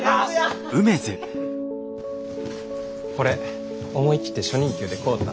これ思い切って初任給で買うた。